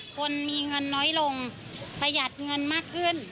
คนมีเงินน้อยลงประหยัดเงินมากขึ้น